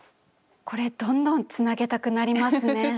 これどんどんつなげたくなりますね。